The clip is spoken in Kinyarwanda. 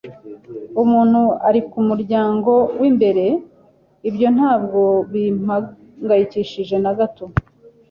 Umuntu ari kumuryango wimbere. Ibyo ntabwo bimpangayikishije na gato.